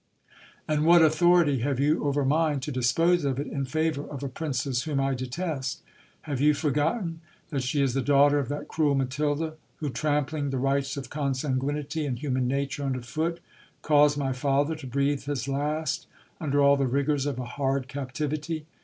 And what authority have you over mine to dispose of it in favour of a princess whom I detest ? Have you forgotten that she is the daughter of that cruel Matilda, who, trampling the rights of consanguinity and human nature under foot, caused my father to breathe his last under all the rigours of a hard captivity